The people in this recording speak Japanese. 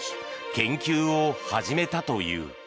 研究を始めたという。